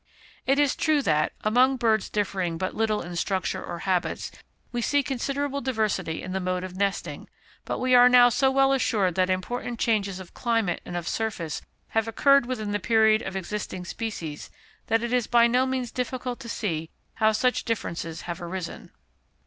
It is true that, among birds differing but little in structure or habits, we see considerable diversity in the mode of nesting, but we are now so well assured that important changes of climate and of surface have occurred within the period of existing species, that it is by no means difficult to see how such differences have arisen.